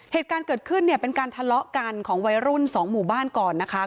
เหตุการณ์เกิดขึ้นเนี่ยเป็นการทะเลาะกันของวัยรุ่นสองหมู่บ้านก่อนนะคะ